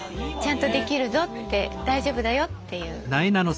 「ちゃんとできるぞ」って「大丈夫だよ」っていう。